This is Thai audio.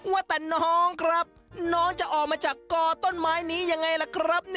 ว่าแต่น้องครับน้องจะออกมาจากกอต้นไม้นี้ยังไงล่ะครับ